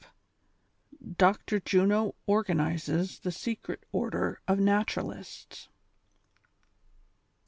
DR. JUNO ORGANIZES THE " SECRET ORDER OF NATU RALISTS."